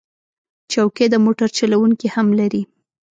چوکۍ د موټر چلونکي هم لري.